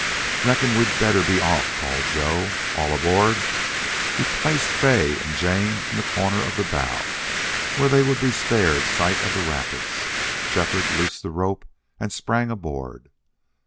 "Reckon we'd better be off," called Joe. "All aboard!" He placed Fay and Jane in a corner of the bow, where they would be spared sight of the rapids. Shefford loosed the rope and sprang aboard.